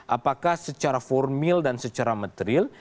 apakah secara formil dan secara material